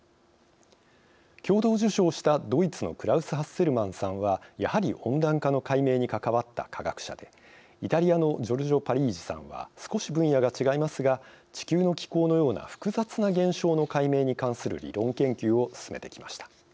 共同受賞したドイツのクラウス・ハッセルマンさんはやはり温暖化の解明に関わった科学者でイタリアのジョルジョ・パリージさんは少し分野が違いますが地球の気候のような複雑な現象の解明に関する理論研究を進めてきました。